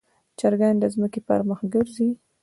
چرګان د ځمکې پر مخ ګرځي.